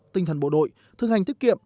tinh thần bộ đội thực hành tiết kiệm